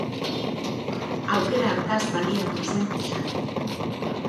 Aukera hartaz baliatu zen Xanti.